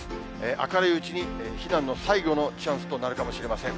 明るいうちに避難の最後のチャンスとなるかもしれません。